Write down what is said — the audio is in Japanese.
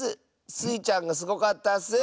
スイちゃんがすごかったッス！